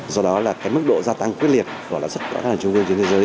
do đó mức độ gia tăng quyết liệt của lãi xuất của các trung ương trên thế giới